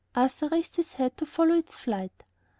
Arthur raised his head to follow its flight.